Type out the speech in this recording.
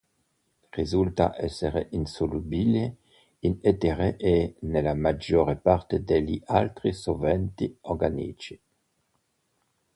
Risulta essere insolubile in etere e nella maggior parte degli altri solventi organici.